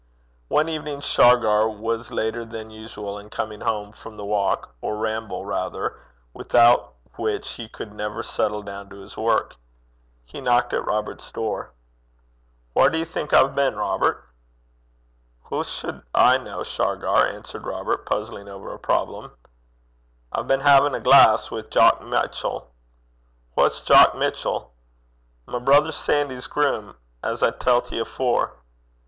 One evening Shargar was later than usual in coming home from the walk, or ramble rather, without which he never could settle down to his work. He knocked at Robert's door. 'Whaur do ye think I've been, Robert?' 'Hoo suld I ken, Shargar?' answered Robert, puzzling over a problem. 'I've been haein' a glaiss wi' Jock Mitchell.' 'Wha's Jock Mitchell?' 'My brither Sandy's groom, as I tellt ye afore.'